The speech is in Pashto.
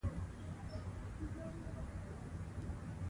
شفاف چلند د اړیکو ښه والی راولي.